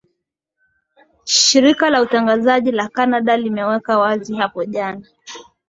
shirika la utangazaji la canada limeweka wazi hapo jana